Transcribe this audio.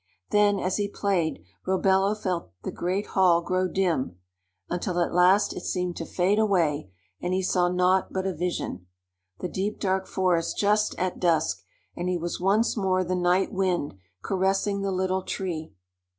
Then as he played, Robello felt the great hall grow dim, until at last it seemed to fade away, and he saw naught but a vision: the deep dark forest just at dusk, and he was once more the Night Wind caressing the Little Tree.